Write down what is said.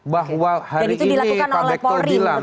bahwa hari ini pak bekto bilang